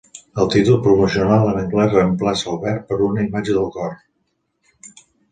El títol promocional en anglès reemplaça el verb per una imatge del cor.